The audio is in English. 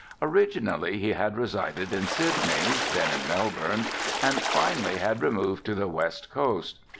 Originally he had resided in Sydney, then in Melbourne, and finally had removed to the west coast.